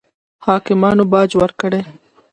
حاکمانو باج ورکړي.